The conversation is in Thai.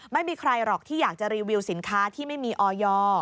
ไม่มีใครหรอกที่อยากจะรีวิวสินค้าที่ไม่มีออย